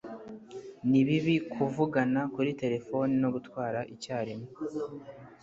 ni bibi kuvugana kuri terefone no gutwara icyarimwe